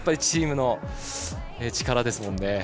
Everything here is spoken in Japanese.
チームの力ですからね。